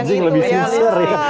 anjing lebih sincere ya